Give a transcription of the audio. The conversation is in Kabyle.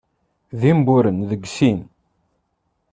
D imburen deg sin.